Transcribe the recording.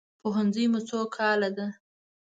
پوهنځی مو څو کاله ده؟